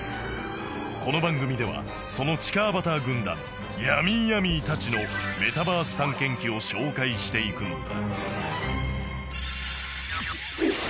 この番組ではその地下アバター軍団ヤミーヤミーたちのメタバース探検記を紹介していくのだ